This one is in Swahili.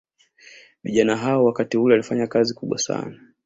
Vijana hao wakati ule walifanya kazi kubwa sana